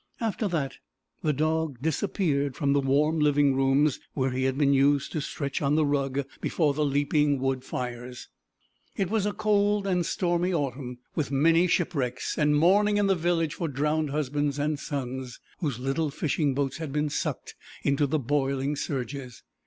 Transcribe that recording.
After that the dog disappeared from the warm living rooms, where he had been used to stretch on the rug before the leaping wood fires. It was a cold and stormy autumn, with many shipwrecks, and mourning in the village for drowned husbands and sons, whose little fishing boats had been sucked into the boiling surges.